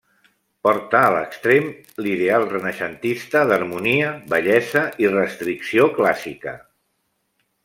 Porta a l'extrem l'ideal renaixentista d'harmonia, bellesa i restricció clàssica.